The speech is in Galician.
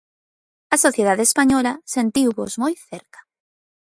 A sociedade española sentiuvos moi cerca.